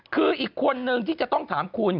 คืออีกคนนึงที่จะต้องถามคุณ